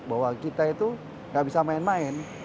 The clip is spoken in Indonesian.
bahwa kita itu gak bisa main main